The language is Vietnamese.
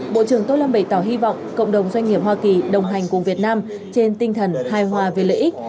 bộ trưởng tô lâm bày tỏ hy vọng cộng đồng doanh nghiệp hoa kỳ đồng hành cùng việt nam trên tinh thần hài hòa về lợi ích